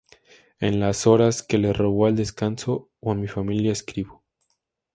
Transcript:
En las horas que le robo al descanso o a mi familia escribo.